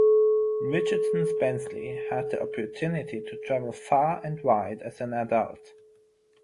Richardson Spensley had the opportunity to travel far and wide as an adult.